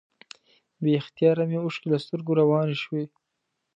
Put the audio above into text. بې اختیاره مې اوښکې له سترګو روانې شوې.